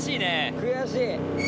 悔しい。